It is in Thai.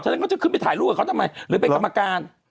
เดี๋ยวนี้แล้วจะขึ้นไปถ่ายรูปทำไมหรือเป็นกรรมการ